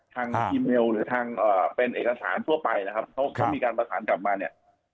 อีเมลหรือทางเป็นเอกสารทั่วไปนะครับเขามีการประสานกลับมาเนี่ย